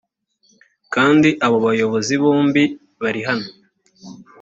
kandi abo bayobozi bombi bari hano